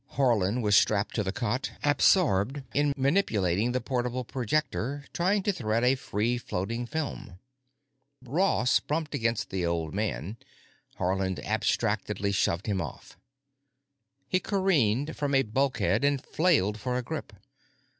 Haarland was strapped to the cot, absorbed in manipulating the portable projector, trying to thread a free floating film. Ross bumped against the old man; Haarland abstractedly shoved him off. He careened from a bulkhead and flailed for a grip.